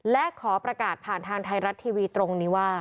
และขอประกาศผ่านทางไทยรัฐทีวีตรงนี้ว่า